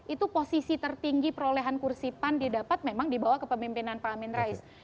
itu posisi tertinggi perolehan kursi pan didapat memang dibawa ke pemimpinan pak amin rais